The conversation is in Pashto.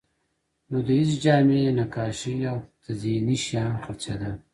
دودیزې جامې، نقاشۍ او تزییني شیان خرڅېدل.